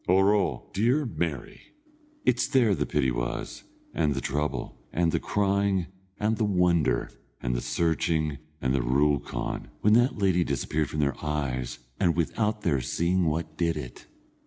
Oro! dear Mary! it's there the pity was, and the trouble, and the crying, and the wonder, and the searching, and the rookawn, when that lady disappeared from their eyes, and without their seeing what did it.